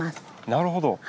なるほど。